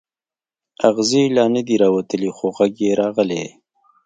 اغزی لا نه دی راوتلی خو غږ یې راغلی.